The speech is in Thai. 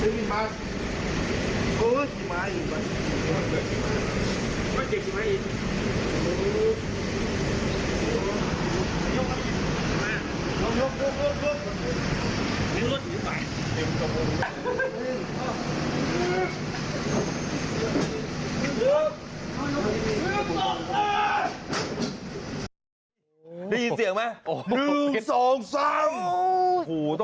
ลูกล่ะลูกล่ะลูกลูกลูกลูกลูก